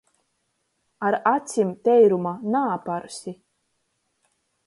Ar acim teiruma naaparsi.